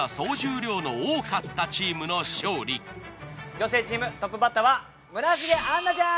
女性チームトップバッターは村重杏奈ちゃん。